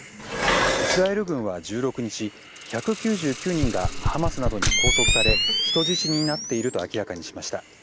イスラエル軍は１６日１９９人がハマスなどに拘束され人質になっていると明らかにしました。